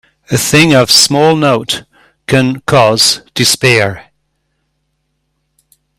A thing of small note can cause despair.